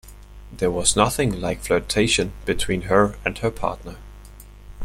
There was nothing like flirtation between her and her partner.